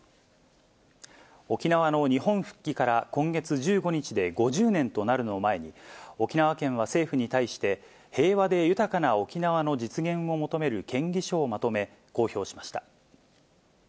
沖縄の日本復帰から今月１５日で５０年となるのを前に、沖縄県は政府に対して、平和で豊かな沖縄の実現を求める建議書をまとめ、公表しました。